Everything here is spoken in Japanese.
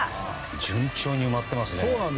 順調に埋まってますね。